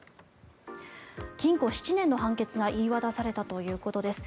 禁錮７年の判決が言い渡されたということです。